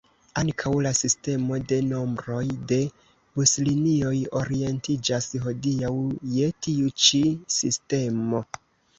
Ankaŭ la sistemo de nombroj de buslinioj orientiĝas hodiaŭ je tiu ĉi sistemo.